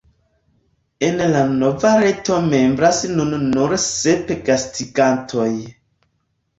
En la nova reto membras nun nur sep gastigantoj.